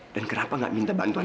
dan kenapa gak minta bantuan